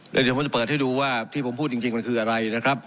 เดี๋ยวผมจะเปิดให้ดูว่าที่ผมพูดจริงมันคืออะไรนะครับ